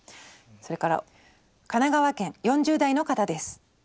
それから神奈川県４０代の方です。